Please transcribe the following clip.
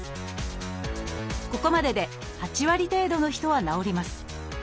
ここまでで８割程度の人は治ります。